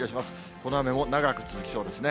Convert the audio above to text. この雨も長く続きそうですね。